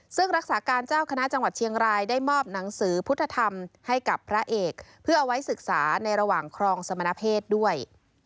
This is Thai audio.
ซึ่งรักษาการเจ้าคณะจังหวัดเชียงรายได้มอบหนังสือพุทธธรรมให้กับพระเอกเพื่อเอาไว้ศึกษาในระหว่างครองสมณเพศด้วย